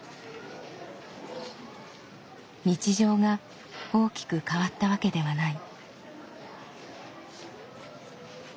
日常が大きく変わったわけではない。